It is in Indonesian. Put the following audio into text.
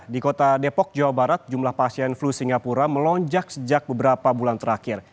di kota depok jawa barat jumlah pasien flu singapura melonjak sejak beberapa bulan terakhir